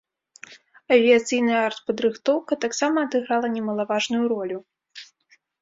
Авіяцыйная артпадрыхтоўка таксама адыграла немалаважную ролю.